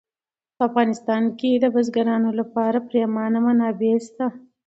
په افغانستان کې د بزګانو لپاره پریمانه منابع شته دي.